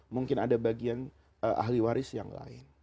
mungkin ada bagian ahli waris yang lain